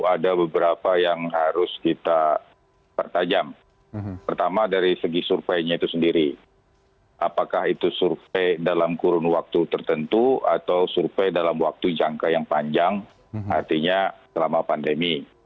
ada beberapa yang harus kita pertajam pertama dari segi surveinya itu sendiri apakah itu survei dalam kurun waktu tertentu atau survei dalam waktu jangka yang panjang artinya selama pandemi